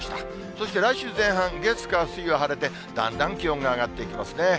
そして来週前半、月、火、水が晴れて、だんだん気温が上がっていきますね。